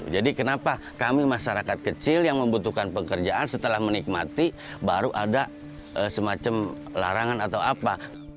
jadi kenapa kami masyarakat kecil yang membutuhkan pekerjaan setelah menikmati baru ada semacam larangan atau apa